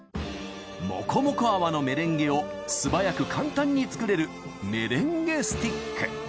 モコモコ泡のメレンゲを素早く簡単に作れるメレンゲスティック。